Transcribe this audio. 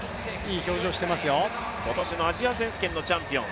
今年のアジア選手権のチャンピオン。